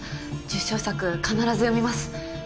受賞作必ず読みます！